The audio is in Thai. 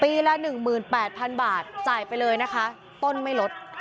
ปีละหนึ่งหมื่นแปดพันบาทจ่ายไปเลยนะคะต้นไม่ลด